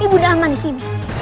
ibu aman disini